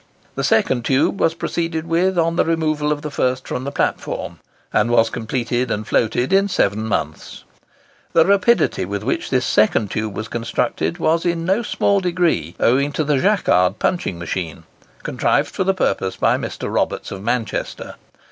The second tube was proceeded with on the removal of the first from the platform, and was completed and floated in seven months. The rapidity with which this second tube was constructed was in no small degree owing to the Jacquard punching machine, contrived for the purpose by Mr. Roberts of Manchester.